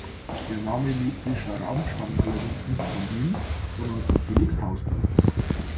Der Name metrischer Raum stammt allerdings nicht von ihm, sondern von Felix Hausdorff.